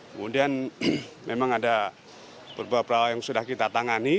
kemudian memang ada beberapa yang sudah kita tangani